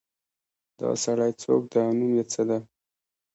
دا سړی څوک ده او نوم یې څه ده